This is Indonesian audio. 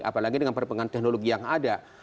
apalagi dengan perkembangan teknologi yang ada